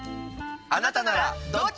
あなたならどっち？